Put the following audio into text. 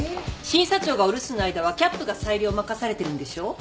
審査長がお留守の間はキャップが裁量を任されてるんでしょう？